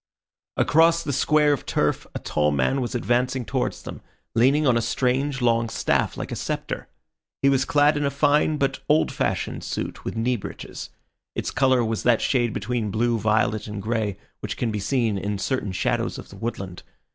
Across the square of turf a tall man was advancing towards them, leaning on a strange long staff like a sceptre. He was clad in a fine but old fashioned suit with knee breeches; its colour was that shade between blue, violet and grey which can be seen in certain shadows of the woodland.